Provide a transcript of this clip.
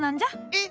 えっ？